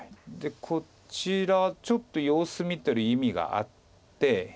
でこちらちょっと様子見てる意味があって。